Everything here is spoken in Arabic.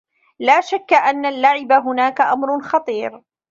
لا شكّ أنّ اللّعب هناك أمر خطير.